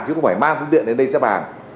chứ không phải mang phương tiện đến đây xếp hàng